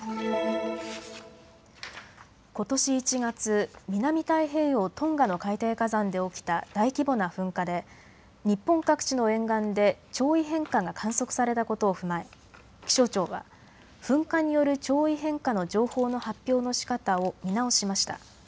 ことし１月、南太平洋、トンガの海底火山で起きた大規模な噴火で日本各地の沿岸で潮位変化が観測されたことを踏まえ気象庁は噴火による潮位変化の情報の発表のしかたを見直しました。